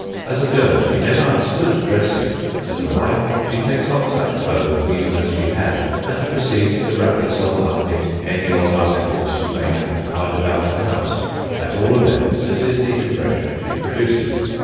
As a girl, she never understood dressing; as a wife, she takes off such clothes even as she had, and proceeds to wrap herself up in any odd articles she may happen to find about the house; at all events, this is the impression she produces.